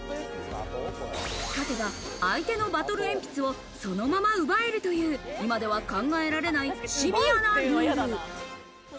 勝てば相手のバトルえんぴつを、そのまま奪えるという、今では考えられないシビアなルール。